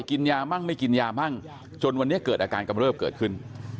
กินยามั่งไม่กินยามั่งจนวันนี้เกิดอาการกำเริบเกิดขึ้น